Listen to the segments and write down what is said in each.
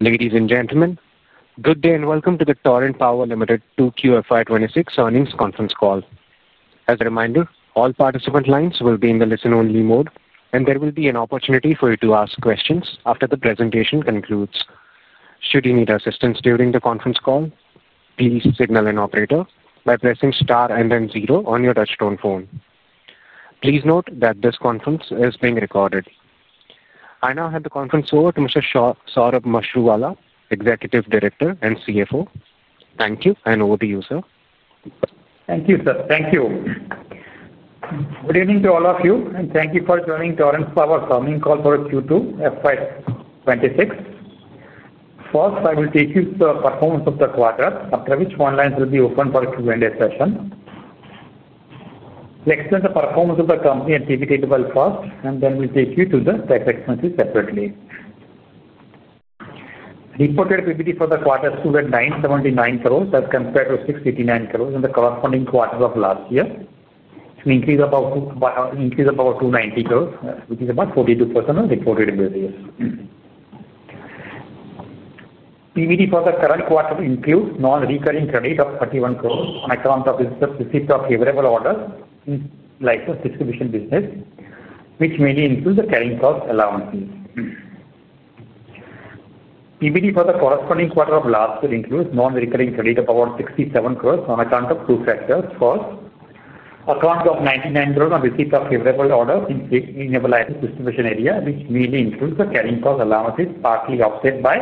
Ladies and gentlemen, good day and welcome to the Torrent Power Limited 2QFI26 earnings conference call. As a reminder, all participant lines will be in the listen-only mode, and there will be an opportunity for you to ask questions after the presentation concludes. Should you need assistance during the conference call, please signal an operator by pressing star and then zero on your touch-tone phone. Please note that this conference is being recorded. I now hand the conference over to Mr. Saurabh Mashruwala, Executive Director and CFO. Thank you, and over to you, sir. Thank you, sir. Thank you. Good evening to all of you, and thank you for joining Torrent Power's earnings conference Q2 FY 2026. First, I will take you through the performance of the quarter, after which one line will be open for a Q&A session. Next is the performance of the company and PBT as well first, and then we'll take you through the tax expenses separately. Reported PBT for quarter two went 979 crore as compared to 689 crore in the corresponding quarter of last year, an increase of about 290 crore, which is about 42% of reported business. PBT for the current quarter includes non-recurring credit of 31 crore on account of receipt of favorable orders in the licensed distribution business, which mainly includes the carrying cost allowances. PBT for the corresponding quarter of last year includes non-recurring credit of about 67 crore on account of two factors. First, account of 990 million on receipt of favorable orders in the distribution area, which mainly includes the carrying cost allowances partly offset by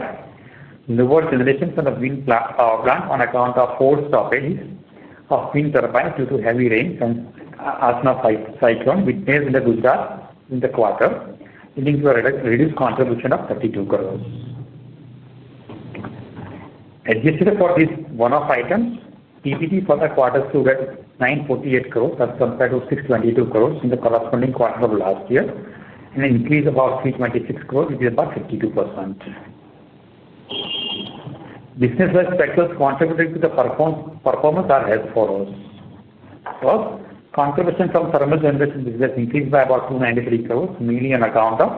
newer generations of wind power plants on account of forced stoppage of wind turbines due to heavy rains and cyclone witnessed in Gujarat in the quarter, leading to a reduced contribution of 320 million. Adjusted for this one-off items, PBT for the quarter two went 9.48 billion as compared to 6.22 billion in the corresponding quarter of last year, an increase of about 3.26 billion, which is about 52%. Business aspects contributing to the performance are as follows. First, contribution from thermal generation business increased by about 2.93 billion, mainly on account of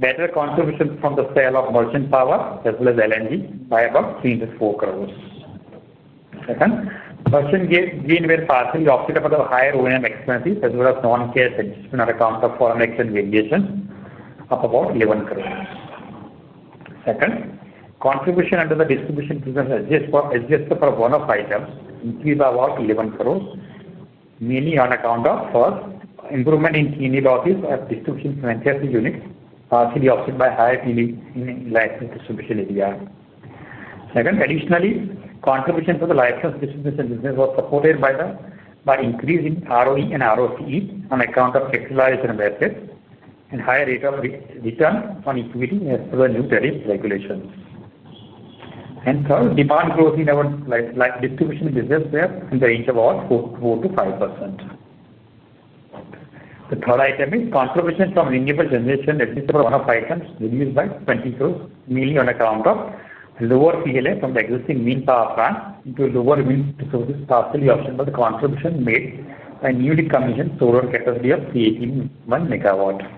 better contribution from the sale of merchant power as well as LNG by about 3.04 billion. Second, merchant gain was partially offset by the higher O&M expenses as well as non-cash adjustment on account of foreign exchange variation of about 11 crore. Second, contribution under the distribution business adjusted for one-off items increased by about 11 crore, mainly on account of, first, improvement in cleaning losses at distribution units, partially offset by higher cleaning license distribution area. Second, additionally, contribution for the license distribution business was supported by increase in ROE and ROCE on account of capitalization of assets and higher rate of return on equity as per the new tariff regulations. Third, demand growth in distribution business went in the range of about 4%-5%. The third item is contribution from renewable generation. Adjusted for one-off items reduced by 20 crore, mainly on account of lower PLF from the existing wind power plant due to lower wind resources, partially offset by the contribution made by newly commissioned solar capacity of 381 MW.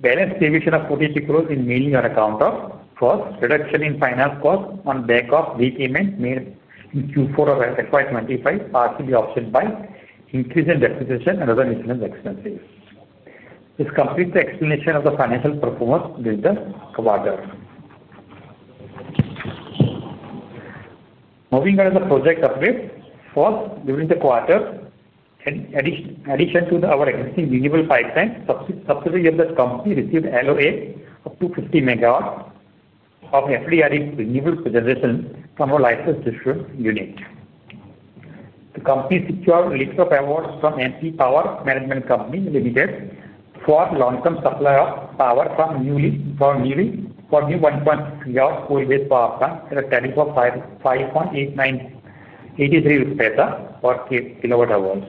Balance deviation of 48 crore is mainly on account of, first, reduction in finance cost on back of repayment made in Q4 of FY 2025, partially offset by increase in depreciation and other maintenance expenses. This completes the explanation of the financial performance for the quarter. Moving on to the project updates. First, during the quarter, in addition to our existing renewable pipeline, subsequently, the company received LOA of 250 MW of FDRE renewable generation from our licensed distribution unit. The company secured a list of awards from NTPC Power Management Company Limited for long-term supply of power for new 1.6 GW coal-based power plant at a tariff of INR 5.83 per kWh.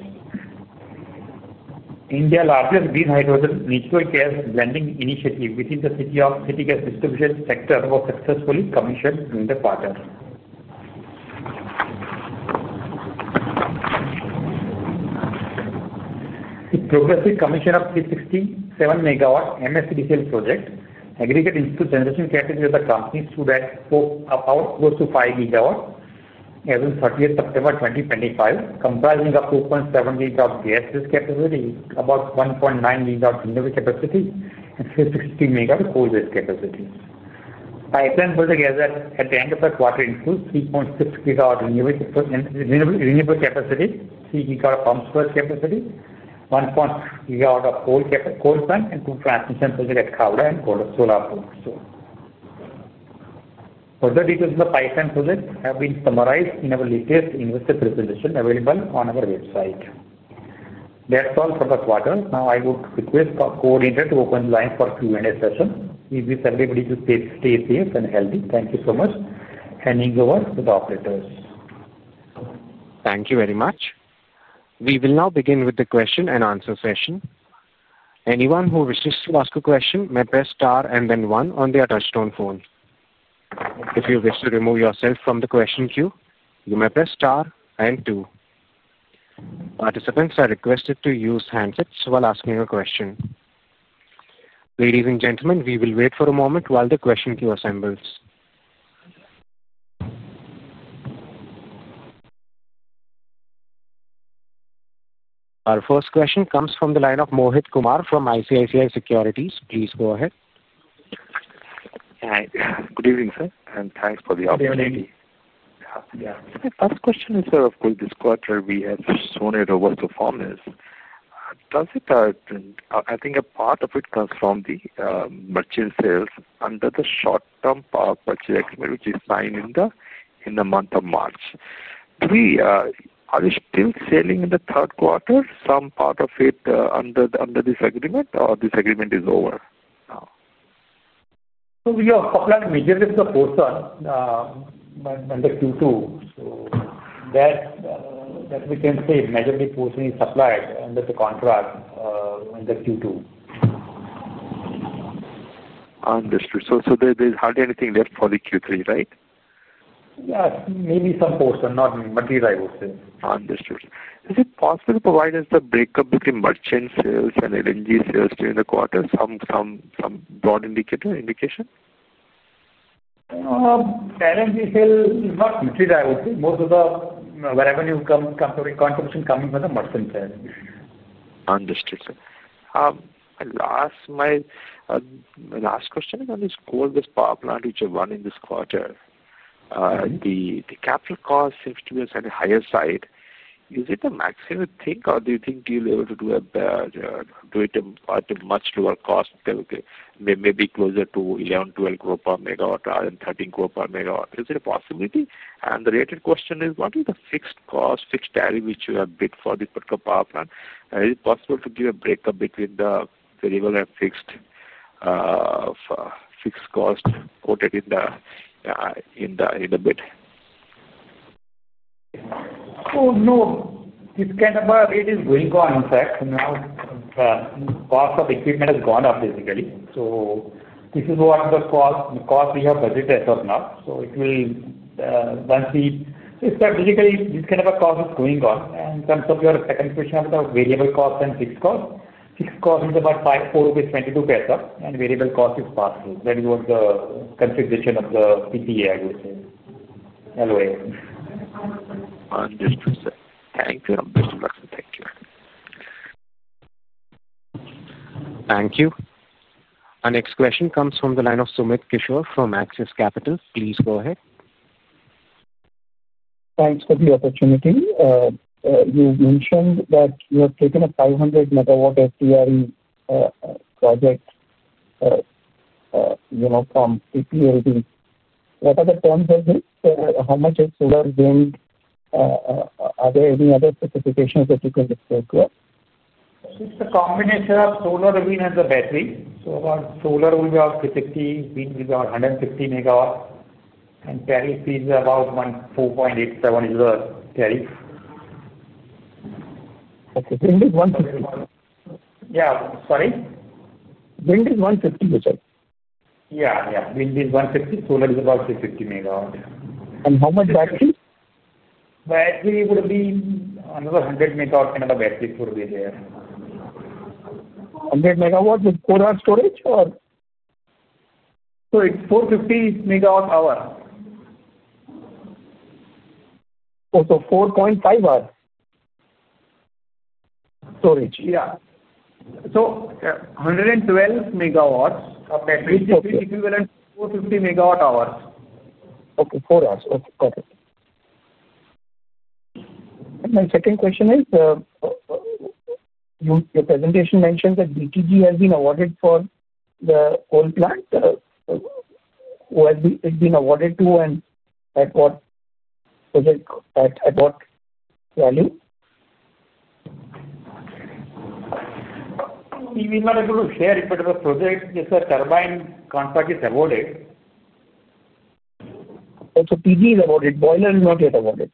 India's largest green hydrogen natural gas blending initiative within the city gas distribution sector was successfully commissioned during the quarter. With progressive commission of 367 MW MSDCL project, aggregate installed generation capacity of the company stood at about close to 5 GWs as of 30th September 2025, comprising of 2.7 GW gas-based capacity, about 1.9 GW renewable capacity, and 360 MW coal-based capacity. Pipeline project has at the end of the quarter included 3.6 GW renewable capacity, 3 GW pump storage capacity, 1.6 GW of coal plant, and two transmission projects at Khavda solar park. Further details of the pipeline project have been summarized in our latest investor presentation available on our website. That's all for the quarter. Now I would request coordinator to open the line for a Q&A session. Please everybody stay safe and healthy. Thank you so much. Handing over to the operators. Thank you very much. We will now begin with the question and answer session. Anyone who wishes to ask a question may press star and then one on their touch-tone phone. If you wish to remove yourself from the question queue, you may press star and two. Participants are requested to use handsets while asking a question. Ladies and gentlemen, we will wait for a moment while the question queue assembles. Our first question comes from the line of Mohit Kumar from ICICI Securities. Please go ahead. Hi. Good evening, sir. Thanks for the opportunity. Good evening. Yeah. My first question is, sir, of course, this quarter we have shown a robust performance. Does it, I think a part of it comes from the merchant sales under the short-term purchase estimate, which is signed in the month of March. Are you still selling in the third quarter, some part of it under this agreement, or this agreement is over now? We have supplied majorly to the portion under Q2. That we can say, majorly portion is supplied under the contract under Q2. Understood. So there is hardly anything left for the Q3, right? Maybe some portion, not material, I would say. Understood. Is it possible to provide us the breakup between merchant sales and LNG sales during the quarter? Some broad indicator, indication? LNG sale is not material, I would say. Most of the revenue comes from the contribution coming from the merchant side. Understood, sir. My last question is on this coal-based power plant, which you've run in this quarter. The capital cost seems to be on the higher side. Is it the maximum you think, or do you think you'll be able to do it at a much lower cost, maybe closer to 1,100 million-1,200 million per MW hour and 1,300 million per MW? Is it a possibility? The related question is, what is the fixed cost, fixed tariff which you have bid for the power plant? Is it possible to give a breakup between the variable and fixed cost quoted in the bid? No. It's kind of a bit going on, in fact. Now, the cost of equipment has gone up, basically. This is what the cost we have budgeted as of now. It will, once we basically, this kind of a cost is going on. In terms of your second question about the variable cost and fixed cost, fixed cost is about 4.22 rupees per acre, and variable cost is partial. That is what the configuration of the PPA, I would say, LOA. Understood, sir. Thank you. I'm just flexing. Thank you. Thank you. Our next question comes from the line of Sumit Kishore from Axis Capital. Please go ahead. Thanks for the opportunity. You mentioned that you have taken a 500 MW FDRE project from PPLD. What are the terms of this? How much is solar wind? Are there any other specifications that you can explain to us? It's a combination of solar, wind, and the battery. About solar, we are 50, wind, we are 150 MW, and tariff is about 2.87 is the tariff. Okay. Wind is 150. Yeah. Sorry? Wind is 150, you said? Yeah. Yeah. Wind is 150. Solar is about 350 MW. How much battery? Battery would be another 100 MW kind of battery would be there. 100 MW with 4 hours storage, or? It's 450 MW hour. Oh, so 4.5 hours storage. Yeah. So 112 MW of battery. Which is equivalent to 450 MW hours. Okay. Four hours. Okay. Got it. My second question is, your presentation mentions that BTG has been awarded for the coal plant. Who has it been awarded to, and at what project, at what value? We will not be able to share if it is a project with a turbine contract is awarded. Oh, so PG is awarded. Boiler is not yet awarded.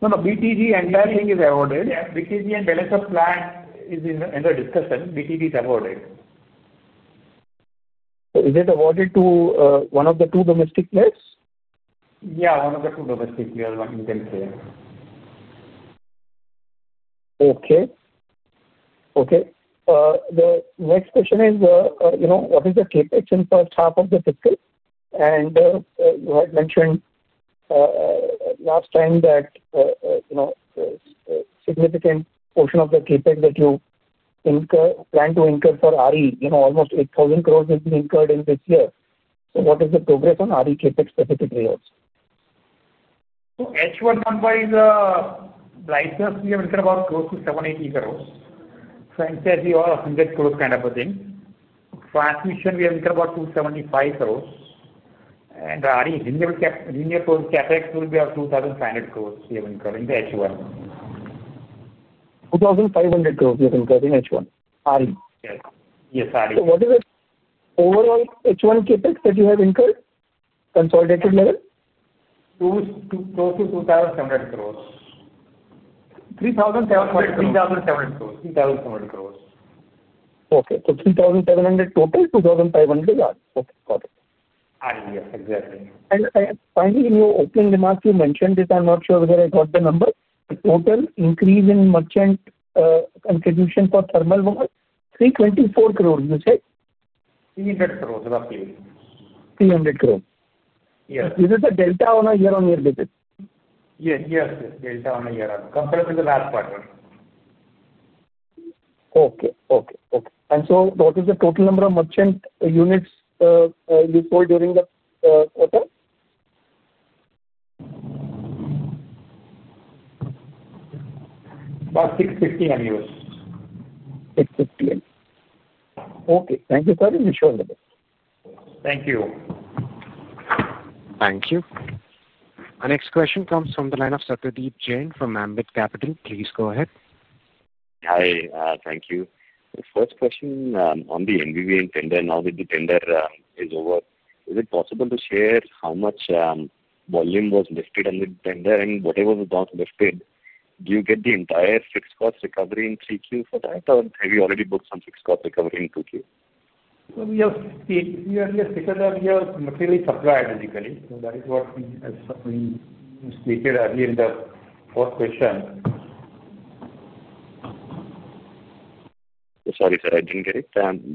No, no. BTG entire thing is awarded. BTG and balance of plant is in the discussion. BTG is awarded. Is it awarded to one of the two domestic players? Yeah. One of the two domestic players, one in the entire. Okay. Okay. The next question is, what is the CapEx in the first half of the fiscal? You had mentioned last time that significant portion of the CapEx that you plan to incur for RE, almost 8,000 crore, has been incurred in this year. What is the progress on RE CapEx specifically also? H1 number is license, we have incurred about close to 780 crore. Franchise, we are 100 crore kind of a thing. Transmission, we have incurred about 275 crore. RE, renewable CapEx will be about 2,500 crore we have incurred in the H1. 2,500 crore you have incurred in H1, RE? Yes. Yes, RE. What is the overall H1 CapEx that you have incurred? Consolidated level? INR 2,700 crore. 3,700? Sorry. INR 3,700 crore. INR 3,700 crore. Okay. So 3,700 total, 2,500 RE. Okay. Got it. RE. Yes. Exactly. Finally, in your opening remarks, you mentioned this. I'm not sure whether I got the number. The total increase in merchant contribution for thermal was INR 3.24 billion, you said? 300 crore, roughly. 300 crores. Yes. This is the delta on a year-on-year basis? Yes. Yes. Delta on a year-on-year compared to the last quarter? Okay. Okay. Okay. What is the total number of merchant units you sold during the quarter? About 650 MUs. 650 MUs. Okay. Thank you, sir. You may share the list. Thank you. Thank you. Our next question comes from the line of Satyadeep Jain from Ambit Capital. Please go ahead. Hi. Thank you. First question, on the NVVN tender, now that the tender is over, is it possible to share how much volume was lifted under the tender? And whatever was not lifted, do you get the entire fixed cost recovery in 3Q for that, or have you already booked some fixed cost recovery in 2Q? We are stated that we are materially supplied, basically. That is what we stated earlier in the fourth question. Sorry, sir. I didn't get it.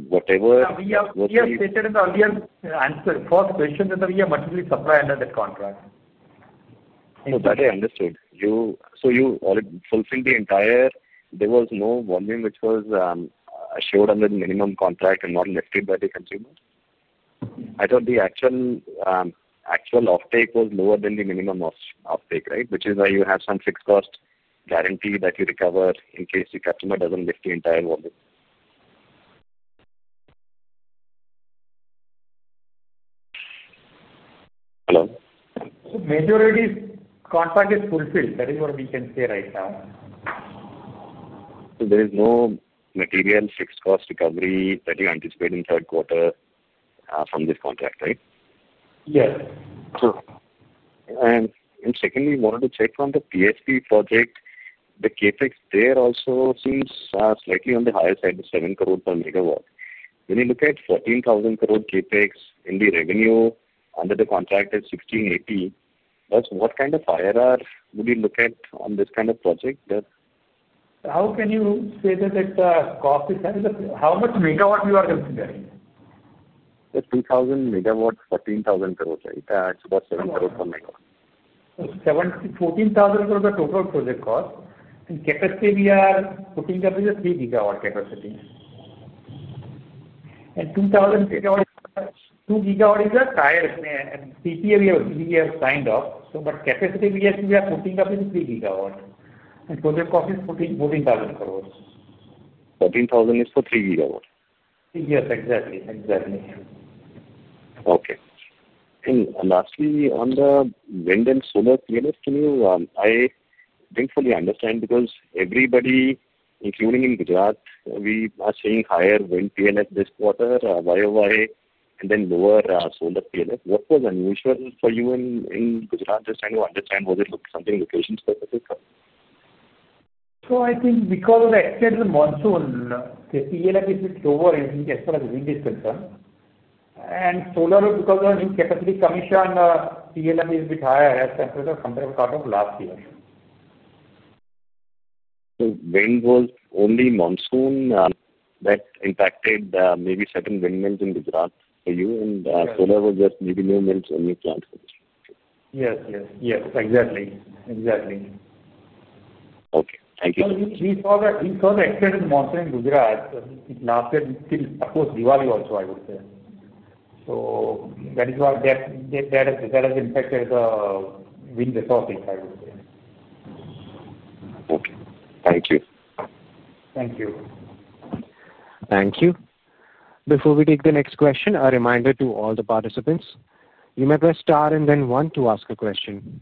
Whatever. We have stated in the earlier answer, fourth question, that we are materially supplied under that contract. That I understood. You fulfilled the entire, there was no volume which was assured under the minimum contract and not lifted by the consumer? I thought the actual offtake was lower than the minimum offtake, right? Which is why you have some fixed cost guarantee that you recover in case the customer does not lift the entire volume. Hello? Majority contract is fulfilled. That is what we can say right now. There is no material fixed cost recovery that you anticipate in third quarter from this contract, right? Yes. Secondly, I wanted to check on the PSP project. The CapEx there also seems slightly on the higher side, 70 million per MW. When you look at 14 billion CapEx and the revenue under the contract at 1.68 billion, what kind of IRR would you look at on this kind of project? How can you say that it's a cost? How much megawatts are you considering? That's 2,000 MW, INR 14,000 crore, right? That's about 7 crore per MW. 14,000 crore is the total project cost. The capacity we are putting up is a 3 GW capacity. 2,000 MW is a tie-up. PPA we have signed off. The capacity we are putting up is 3 GW. The project cost is INR 14,000 crore. 14,000 is for 3 GWs? Yes. Exactly. Exactly. Okay. Lastly, on the wind and solar PLF, can you—I did not fully understand because everybody, including in Gujarat, we are seeing higher wind PLF this quarter year over year, and then lower solar PLF. What was unusual for you in Gujarat? Just trying to understand, was it something location specific? I think because of the extended monsoon, the PLF is a bit lower, I think, as far as wind is concerned. And solar, because of the new capacity commission, PLF is a bit higher as compared to the quarter of last year. Wind was only monsoon. That impacted maybe certain windmills in Gujarat for you, and solar was just maybe new mills, new plants. Yes. Exactly. Okay. Thank you. We saw the extended monsoon in Gujarat. Last year, we still. Of course, Diwali also, I would say. That is why that has impacted the wind resources, I would say. Okay. Thank you. Thank you. Thank you. Before we take the next question, a reminder to all the participants. You may press star and then one to ask a question.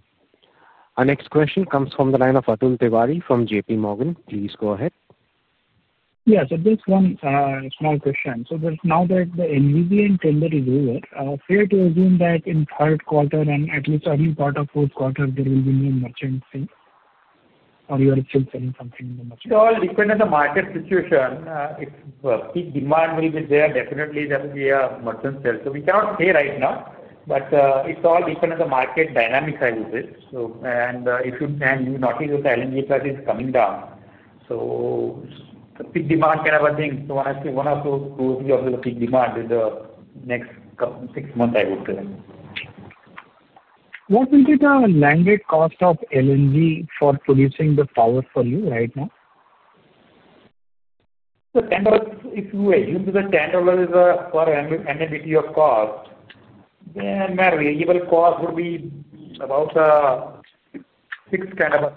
Our next question comes from the line of Atul Tiwari from JP Morgan. Please go ahead. Yes. Just one small question. So now that the NVVN tender is over, fair to assume that in third quarter and at least early part of fourth quarter, there will be no merchant sale? Or you are still selling something in the merchant? It's all dependent on the market situation. If peak demand will be there, definitely there will be a merchant sale. We cannot say right now, but it's all dependent on the market dynamics, I would say. If you can notice that the LNG price is coming down. The peak demand kind of a thing. One of those two will be the peak demand in the next six months, I would say. What is the landed cost of LNG for producing the power for you right now? If you assume that $10 is for an entity of cost, then my variable cost would be about six, variable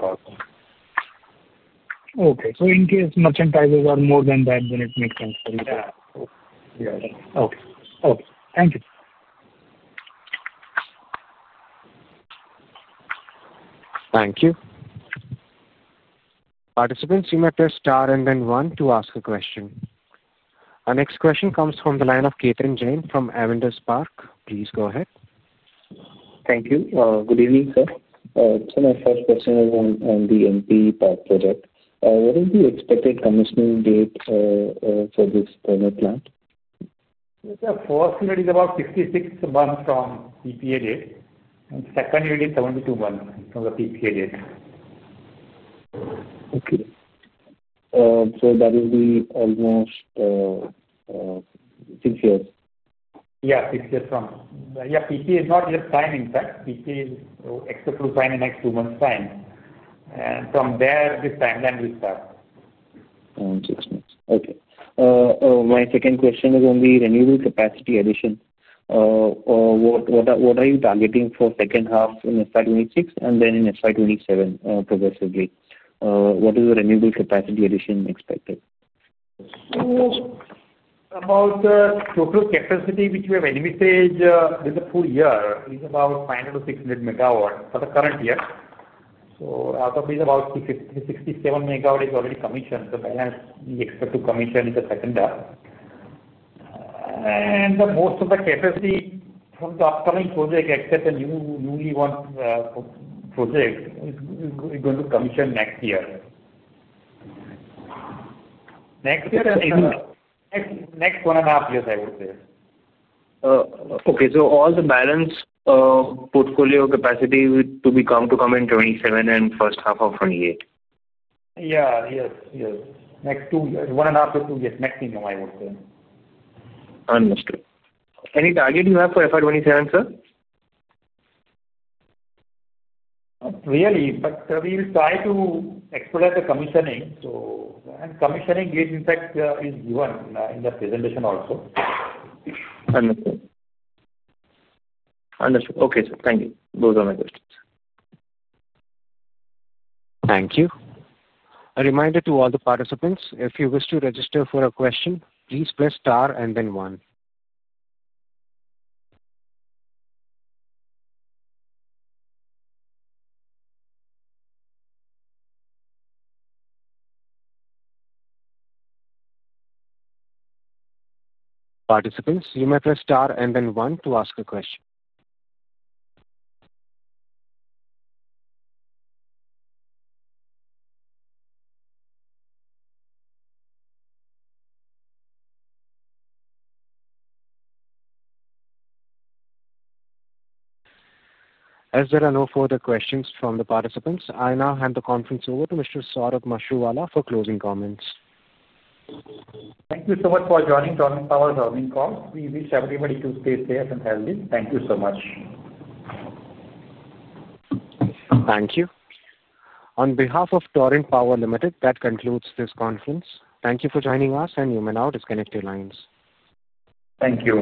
cost. Okay. So in case merchant prices are more than that, then it makes sense for you. Yeah. Okay. Okay. Thank you. Thank you. Participants, you may press star and then one to ask a question. Our next question comes from the line of Ketan Jain from Avendus Spark. Please go ahead. Thank you. Good evening, sir. My first question is on the MP Park project. What is the expected commissioning date for this thermal plant? The first unit is about 66 months from PPA date. The second unit is 72 months from the PPA date. Okay. So that will be almost six years? Yeah. Six years from. Yeah. PPA is not just time, in fact. PPA is expected to sign in the next two months' time. From there, this timeline will start. Six months. Okay. My second question is on the renewable capacity addition. What are you targeting for second half in SI26 and then in SI27 progressively? What is the renewable capacity addition expected? About the total capacity which we have envisaged with the full year is about 500 MW-600 MW for the current year. Out of this, about 67 MW is already commissioned. That means we expect to commission in the second half. Most of the capacity from the upcoming project, except the newly won project, is going to commission next year. Next year and even next one and a half years, I would say. Okay. So all the balance portfolio capacity to come in 2027 and first half of 2028? Yeah. Yes. Yes. Next two years. One and a half to two years. Next thing now, I would say. Understood. Any target you have for FI27, sir? Really? We will try to expedite the commissioning. The commissioning date, in fact, is given in the presentation also. Understood. Understood. Okay, sir. Thank you. Those are my questions. Thank you. A reminder to all the participants. If you wish to register for a question, please press star and then one. Participants, you may press star and then one to ask a question. As there are no further questions from the participants, I now hand the conference over to Mr. Saurabh Mashruwala for closing comments. Thank you so much for joining Torrent Power's opening call. We wish everybody to stay safe and healthy. Thank you so much. Thank you. On behalf of Torrent Power Limited, that concludes this conference. Thank you for joining us, and you may now disconnect your lines. Thank you.